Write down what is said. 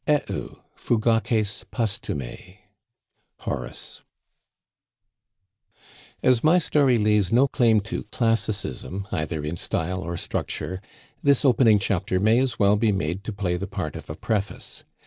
Eheu I fugaces, Posthume. ... Horace. As my story lays no claim to classicism, either in Style or structure, this opening chapter may as well be made to play the part of a preface.